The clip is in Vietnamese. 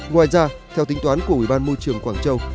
ngoài ra theo tính toán của ủy ban môi trường quảng châu